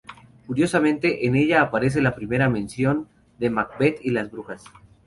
Curiosamente, en ella aparece la primera mención de Macbeth y las brujas.